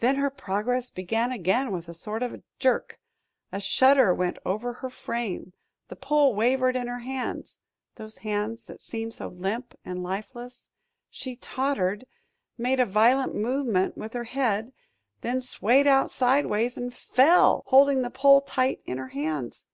Then her progress began again with a sort of jerk. A shudder went over her frame, the pole wavered in her hands those hands that seemed so limp and lifeless she tottered, made a violent movement with her head, then swayed out sidewise and fell holding the pole tight in her hands!